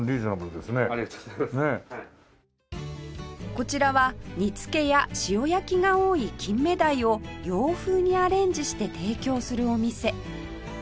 こちらは煮付けや塩焼きが多い金目鯛を洋風にアレンジして提供するお店